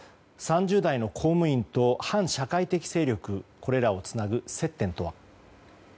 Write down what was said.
３０代の公務員と反社会的勢力これらをつなぐ接点とは。